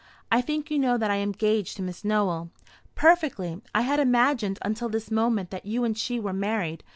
I think you know that I am engaged to Miss Nowell." "Perfectly. I had imagined until this moment that you and she were married.